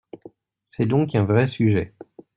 C’est donc un vrai sujet.